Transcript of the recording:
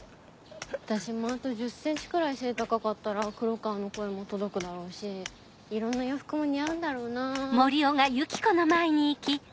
私もあと１０ｃｍくらい背高かったら黒川の声も届くだろうしいろんな洋服も似合うんだろうなぁ。